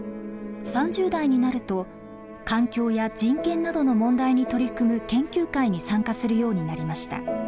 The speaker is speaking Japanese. ３０代になると環境や人権などの問題に取り組む研究会に参加するようになりました。